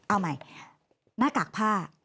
เอาใหม่หน้ากากผ้า